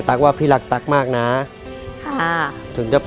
รายการต่อไปนี้เป็นรายการทั่วไปสามารถรับชมได้ทุกวัย